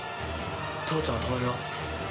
父ちゃんを頼みます。